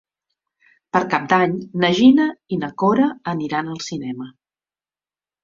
Per Cap d'Any na Gina i na Cora aniran al cinema.